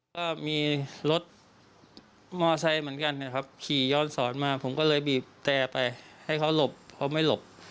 ก็มีรถมอไซค์เหมือนกันนะครับขี่ย้อนสอนมาผมก็เลยบีบแต่ไปให้เขาหลบเขาไม่หลบ